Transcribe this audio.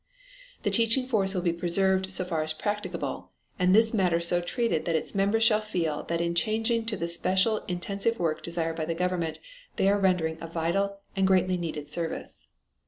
The teaching force will be preserved so far as practicable, and this matter so treated that its members shall feel that in changing to the special intensive work desired by the government they are rendering a vital and greatly needed service.